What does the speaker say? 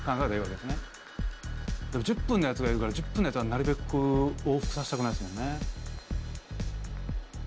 でも１０分のやつがいるから１０分のやつはなるべく往復させたくないっすもんね。